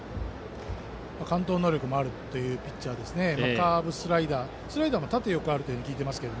完投能力もあるピッチャーでカーブ、スライダースライダーも縦横あると聞いています。